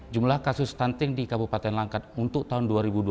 jumlah kasus stunting di kabupaten langkat untuk tahun dua ribu dua puluh